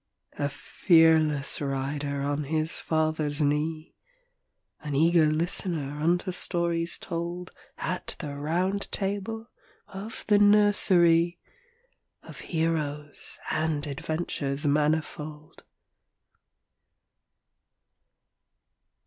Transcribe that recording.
A fearless rider on his father's knee, An eager listener unto stories told At the Round Table of the nursery, Of heroes and adventures manifold.